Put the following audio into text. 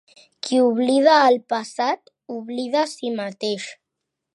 Qui oblida el passat, oblida si mateix.